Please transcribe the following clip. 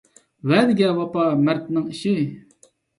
ۋەدىگە ۋاپا – مەردنىڭ ئىشى.